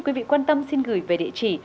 quý vị quan tâm xin gửi về địa chỉ